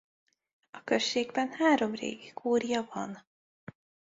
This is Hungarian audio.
A községben három régi kúria van.